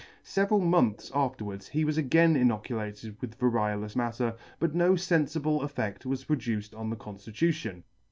Several months afterwards he was again inoculated with variolous matter, but no fenfible effedt was produced on the conftitution.